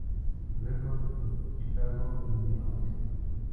Records en Chicago, Illinois.